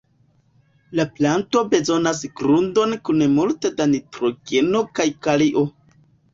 La planto bezonas grundon kun multe da nitrogeno kaj kalio.